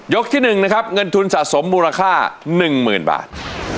ที่๑นะครับเงินทุนสะสมมูลค่า๑๐๐๐บาท